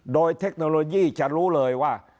โดยเทคโนโลยีจะรู้เลยว่า